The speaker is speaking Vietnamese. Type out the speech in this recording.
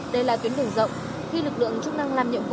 đây là tuyến đường rộng khi lực lượng chức năng làm nhiệm vụ